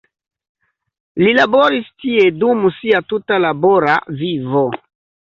Li laboris tie dum sia tuta labora vivo.